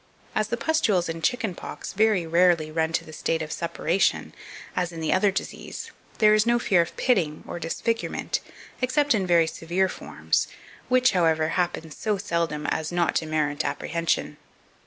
2542. As the pustules in chicken pox very rarely run to the state of suppuration, as in the other disease, there is no fear of pitting or disfigurement, except in very severe forms, which, however, happen so seldom as not to merit apprehension.